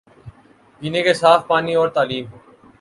پینے کے صاف پانی اور تعلیم